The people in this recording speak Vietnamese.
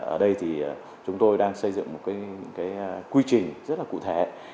ở đây thì chúng tôi đang xây dựng một cái quy trình rất là cụ thể